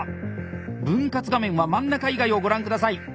分割画面は真ん中以外をご覧下さい。